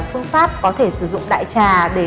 phương pháp có thể sử dụng đại trà để